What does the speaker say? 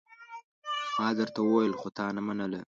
ما درته وويل خو تا نه منله!